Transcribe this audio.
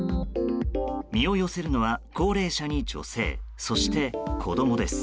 身を寄せるのは、高齢者に女性そして子供です。